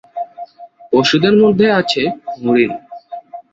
পশুদের মধ্যে আছে হরিণ।